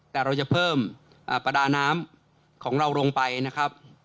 แต่เราจะเพิ่มประดาน้ำของเราลงไปนะครับ